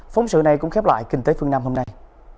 phóng sự này cũng khép lại kinh tế phương nam hôm nay